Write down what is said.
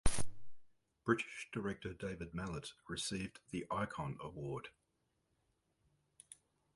British director David Mallet received the Icon Award.